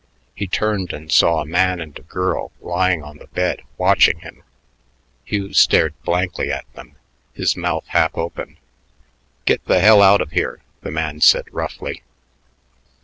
He turned and saw a man and a girl lying on the bed watching him. Hugh stared blankly at them, his mouth half open. "Get th' hell out of here," the man said roughly.